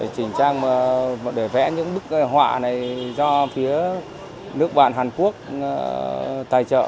chỉnh trang để vẽ những bức họa này do phía nước bạn hàn quốc tài trợ